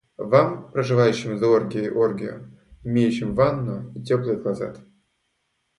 Вам, проживающим за оргией оргию, имеющим ванную и теплый клозет!